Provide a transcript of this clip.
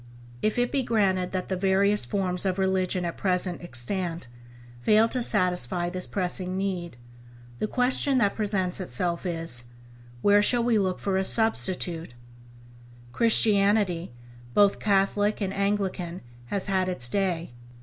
If it be granted that the various forms of religion at present extant fail to satisfy this pressing need, the question that presents itself is, where shall we look for a substitute ? Christianity, both Catholic and Anglican, has had its day.